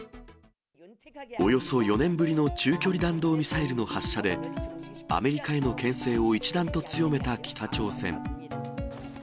およそ４年ぶりの中距離弾道ミサイルの発射で、アメリカへのけん制を一段と強めた北朝鮮。